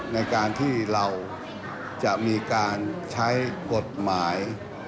ในการที่เราจะมีการใช้กฎหมาย